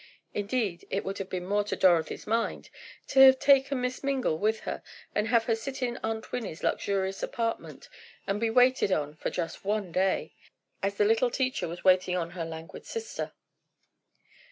Indeed, it would have been more to Dorothy's mind to have taken Miss Mingle with her, and have her sit in Aunt Winnie's luxurious apartment, and be waited on for just one day, as the little teacher was waiting on her languid sister.